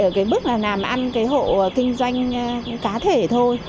ở cái bước là làm ăn cái hộ kinh doanh cá thể thôi